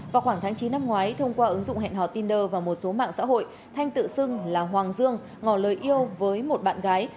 vào khoảng tháng chín năm ngoái thông qua ứng dụng hẹn hò tinder và một số mạng xã hội thanh tự xưng là hoàng dương ngỏ lời yêu với một bạn gái